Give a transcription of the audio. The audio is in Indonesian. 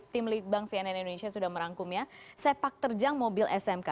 tim litbang cnn indonesia sudah merangkumnya sepak terjang mobil smk